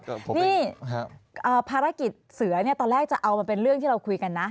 นี่ภารกิจเสือเนี่ยตอนแรกจะเอามาเป็นเรื่องที่เราคุยกันนะ